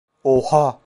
Oha!